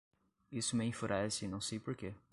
Isso me enfurece e não sei por quê.